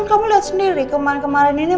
kamu lihat sendiri kemarin kemarin ini